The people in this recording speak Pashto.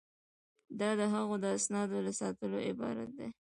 دا د هغوی د اسنادو له ساتلو عبارت ده.